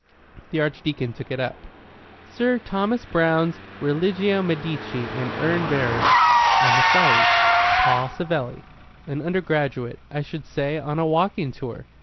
The Archdeacon took it up. "Sir Thomas Browne's Religio Medici and Urn Burial. On the flyleaf, 'Paul Savelli.' An undergraduate, I should say, on a walking tour."